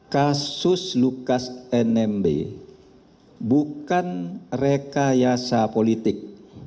kasus lukas nmb bukan rekayasa politik